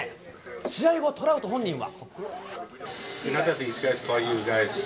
試合後、トラウト本人は。